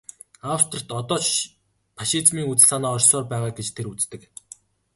Австрид одоо ч фашизмын үзэл санаа оршсоор байгаа гэж тэр үздэг.